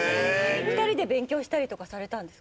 ２人で勉強したりとかされたんですか？